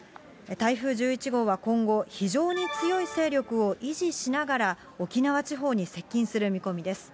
台風１１号は今後、非常に強い勢力を維持しながら、沖縄地方に接近する見込みです。